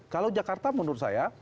kalau jakarta menurut saya